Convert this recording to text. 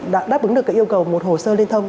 đã đáp ứng được yêu cầu một hồ sơ liên thông